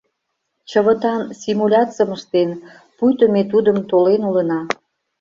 Чывытан симулятсым ыштен: пуйто ме тудым толен улына...